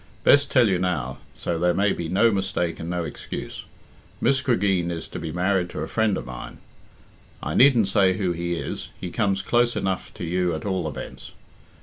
Best tell you now, so there may be no mistake and no excuse. Miss Cregeen is to be married to a friend of mine. I needn't say who he is he comes close enough to you at all events.